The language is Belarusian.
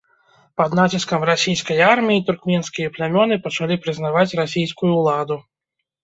Пад націскам расійскай арміі туркменскія плямёны пачалі прызнаваць расійскую ўладу.